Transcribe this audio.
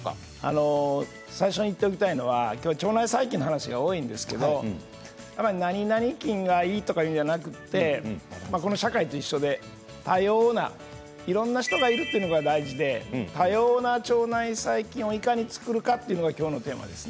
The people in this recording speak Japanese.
あの最初に言っておきたいのは今日は腸内細菌の話が多いんですけどなになに菌がいいとかいうんじゃなくてこの社会と一緒で多様ないろんな人がいるっていうのが大事で多様な腸内細菌をいかに作るかというのが今日のテーマです。